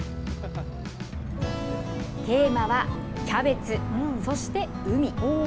テーマはキャベツ、そして海。